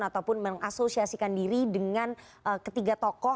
ataupun mengasosiasikan diri dengan ketiga tokoh